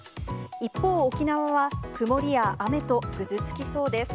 一方、沖縄は曇りや雨と、ぐずつきそうです。